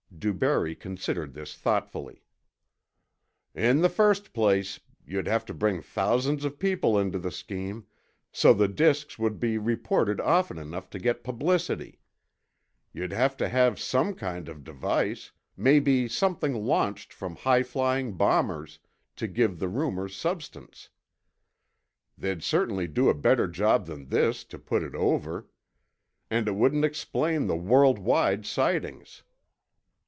DuBarry considered this thoughtfully. "In the first place, you'd have to bring thousands of people into the scheme, so the disks would be reported often enough to get publicity. You'd have to have some kind of device, maybe something launched from highflying bombers, to give the rumors substance. They'd certainly do a better job than this, to put it over. And it wouldn't explain the world wide sightings.